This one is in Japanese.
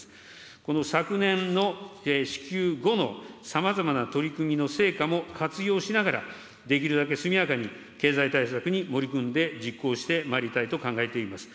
この昨年の支給後のさまざまな取り組みの成果も活用しながら、できるだけ速やかに経済対策に盛り込んで実行してまいりたいと考えております。